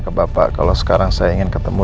ke bapak kalau sekarang saya ingin ketemu